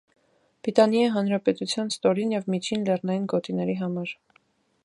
Պիտանի է հանրապետության ստորին և միջին լեռնային գոտիների համար։